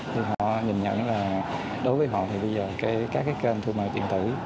thì họ nhìn nhận là đối với họ thì bây giờ các kênh thương mại tiền tử